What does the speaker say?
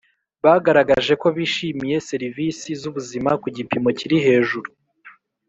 bagaragaje ko bishimiye serivisi z ubuzima ku gipimo kiri hejuru